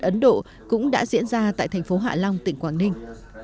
ấn độ cũng đã diễn ra tại thành phố hạ long tỉnh quảng ninh